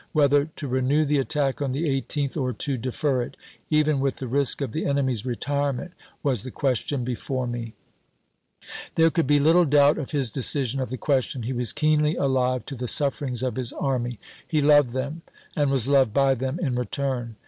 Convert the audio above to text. Whether to renew the attack on the 18th or to defer it, even with the risk of the enemy's retirement, was the voi. xix. ,.,„^' Part I., question before me. p. es. There could be little doubt of his decision of the question. He was keenly alive to the sufferings of his army. He loved them, and was loved by them in return.